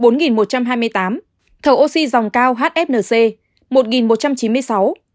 thổ oxy dòng cao hfnc một một trăm chín mươi sáu